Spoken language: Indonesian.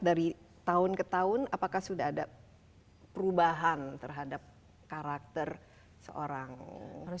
dari tahun ke tahun apakah sudah ada perubahan terhadap karakter seorang